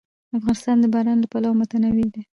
افغانستان د باران له پلوه متنوع دی.